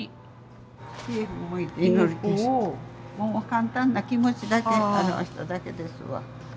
簡単な気持ちだけ表しただけですわ。